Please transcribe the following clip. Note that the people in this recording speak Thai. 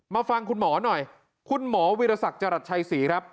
ฟังคุณหมอหน่อยคุณหมอวิรสักจรัสชัยศรีครับ